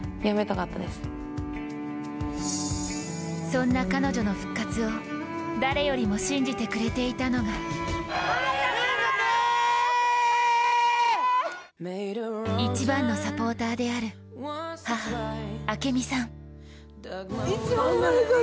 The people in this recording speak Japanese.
そんな彼女の復活を誰よりも信じてくれていたのが一番のサポーターである母・明美さん。